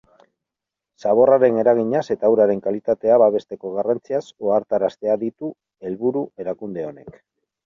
Zaborraren eraginaz eta uraren kalitatea babesteko garrantziaz ohartaraztea ditu helburu erakunde honek.